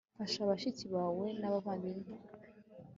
fasha bashiki bawe n'abavandimwe